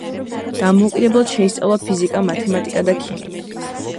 დამოუკიდებლად შეისწავლა ფიზიკა, მათემატიკა და ქიმია.